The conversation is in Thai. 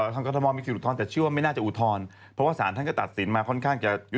ทางกรทมมีสิทธิ์ที่จะอุทธรณ์แต่เชื่อว่าไม่น่าจะอุทธรณ์เพราะว่าสารท่านก็ตัดสินมาค่อนข้างจะยุติธรรมด้วย